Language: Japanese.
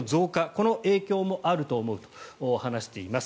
この影響もあると思うと話しています。